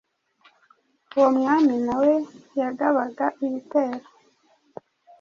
Uwo mwami nawe yagabaga ibitero,